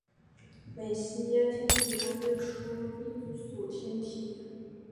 梅西耶天体中列出的一组天体。